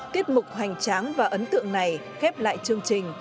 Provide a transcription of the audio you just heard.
tiết mục hoành tráng và ấn tượng này khép lại chương trình